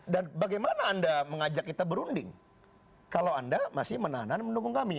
dan bagaimana anda mengajak kita berunding kalau anda masih menahanan mendukung kami